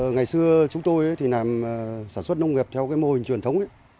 ngày xưa chúng tôi làm sản xuất nông nghiệp theo mô hình truyền thống